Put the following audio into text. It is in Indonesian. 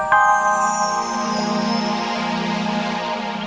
ya ini tuh udah kebiasaan